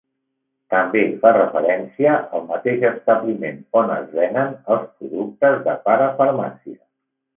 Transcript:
També fa referència al mateix establiment on es venen els productes de parafarmàcia.